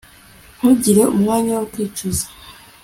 ntugire umwanya wo kwicuza